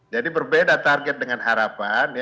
jadi berbeda target dengan harapan